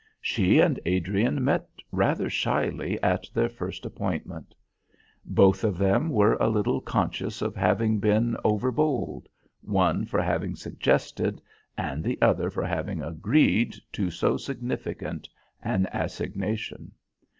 She and Adrian met rather shyly at their first appointment. Both of them were a little conscious of having been overbold, one for having suggested, and the other for having agreed to so significant an assignation.